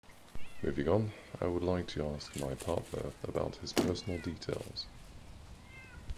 Moving on, I would like to ask my partner about his personal details.